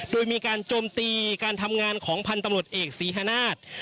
โดยมีการโจมตีการทำงานของพันธุ์ตำรวจเอกศรีฮนาศ